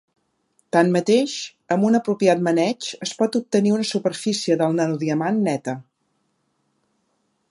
Tanmateix, amb un apropiat maneig es pot obtenir una superfície del nanodiamant neta.